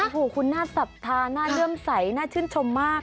โอ้โหคุณน่าศรัทธาน่าเลื่อมใสน่าชื่นชมมาก